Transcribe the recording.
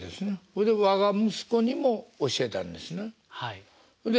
それで我が息子にも教えたんですね？